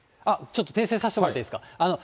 ちょっと訂正させてもらっていいですか。